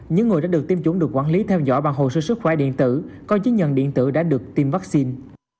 những người đã được tiêm chủng được quản lý theo dõi bằng hồ sơ sức khỏe điện tử có chứng nhận điện tử đã được tiêm vaccine